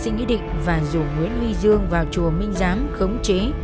xin ý định và rủ nguyễn huy dương vào chùa minh giám khống chế